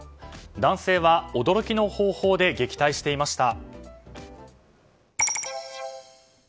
男性は驚きの方法で撃退していました。